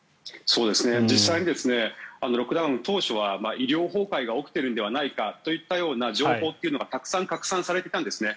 実際にロックダウン当初は医療崩壊が起きているのではないかという情報がたくさん拡散されていたんですね。